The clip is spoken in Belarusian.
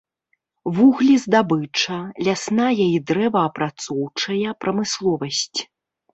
Вуглездабыча, лясная і дрэваапрацоўчая прамысловасць.